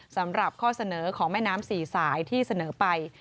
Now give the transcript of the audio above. สำหรับข้อเสนอของแม่น้ำสี่สายที่เสนอไป